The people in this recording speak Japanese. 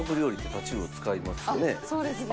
そうですね。